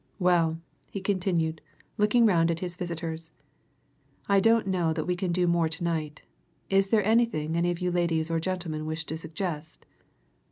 Well," he continued, looking round at his visitors, "I don't know that we can do more to night. Is there anything any of you ladies or gentlemen wish to suggest?"